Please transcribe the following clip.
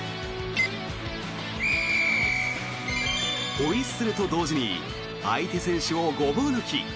ホイッスルと同時に相手選手をごぼう抜き。